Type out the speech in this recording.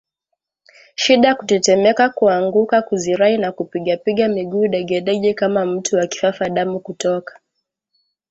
shida kutetemeka kuanguka kuzirai na kupigapiga miguu degedege kama mtu wa kifafa damu kutoka